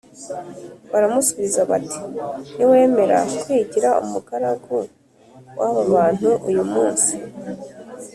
Baramusubiza bati “Niwemera kwigira umugaragu w’aba bantu uyu munsi